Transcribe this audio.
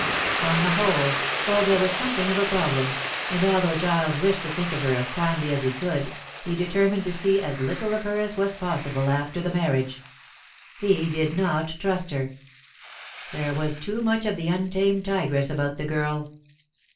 On the whole, Olga was something of a problem, and although Giles wished to think of her as kindly as he could, he determined to see as little of her as was possible after the marriage. He did not trust her. There was too much of the untamed tigress about the girl.